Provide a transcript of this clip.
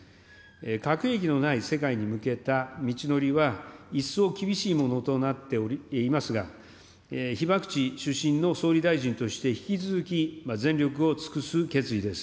核兵器のない世界に向けた道のりは一層厳しいものとなっていますが、被爆地出身の総理大臣として引き続き全力を尽くす決意です。